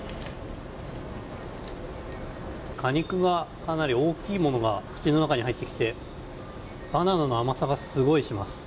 果肉はかなり大きいものが口の中に入ってきてバナナの甘さがすごいします。